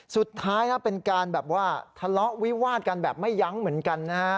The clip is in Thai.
สุดท้ายนะเป็นการแบบว่าทะเลาะวิวาดกันแบบไม่ยั้งเหมือนกันนะฮะ